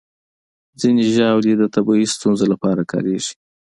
ځینې ژاولې د طبي ستونزو لپاره کارېږي.